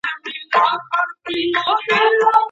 په لاس خط لیکل د زده کړي د بهیر تر ټولو باوري میتود دی.